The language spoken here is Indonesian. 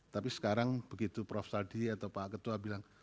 tapi sekarang begitu prof saldi atau pak ketua bilang